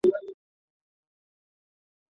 তখন তো চাহিয়াছিলে।